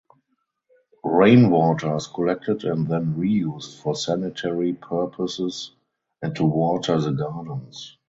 Rainwater is collected and then reused for sanitary purposes and to water the gardens.